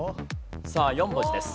さあ４文字です。